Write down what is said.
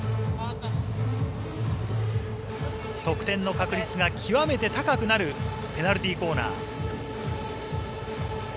得点の確率が極めて高くなるペナルティーコーナー。